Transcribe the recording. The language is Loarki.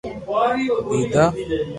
ڏیڌا